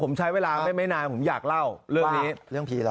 ผมใช้เวลาไม่นานผมอยากเล่าเรื่องนี้